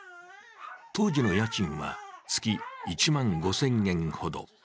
当時の家賃は月１万５０００円ほど。